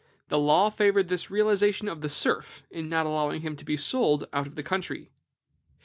The law favored this realization of the serf, in not allowing him to be sold out of the country."